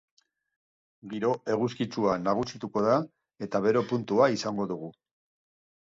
Giro eguzkitsua nagusituko da eta bero puntua izango dugu.